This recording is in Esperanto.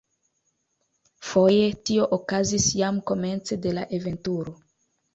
Foje tio okazis jam komence de la aventuro.